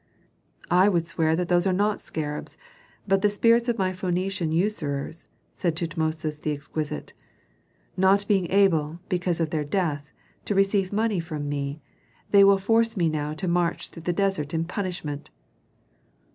"I would swear that those are not scarabs, but the spirits of my Phœnician usurers," said Tutmosis the exquisite. "Not being able, because of their death, to receive money from me, they will force me now to march through the desert in punishment!"